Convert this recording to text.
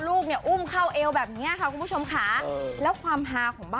ลูกชายของเล็กบ้านนี้เขาลูกเยอะนะ